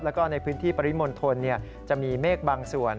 แล้วก็ในพื้นที่ปริมณฑลจะมีเมฆบางส่วน